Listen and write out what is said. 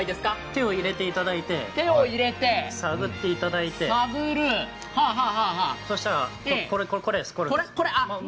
手を入れていただいて探っていただいてそしたら、これです、これ、これ。